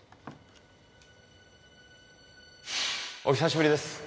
お久しぶりです